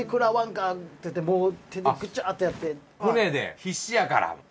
舟で必死やから。